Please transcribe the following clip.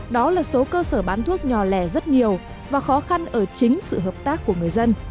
đó là số cơ sở bán thuốc nhò lẻ rất nhiều và khó khăn ở chính sự hợp tác của người dân